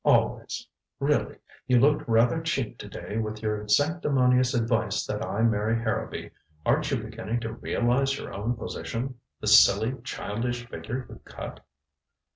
Always. Really, you looked rather cheap to day, with your sanctimonious advice that I marry Harrowby. Aren't you beginning to realize your own position the silly childish figure you cut?"